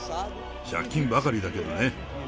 借金ばかりだけどね。